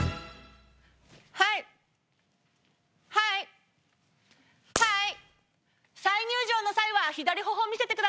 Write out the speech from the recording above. はいはいはい。